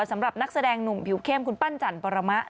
สำหรับนักแสดงหนุ่มผิวเข้มคุณปั้นจันปรมะ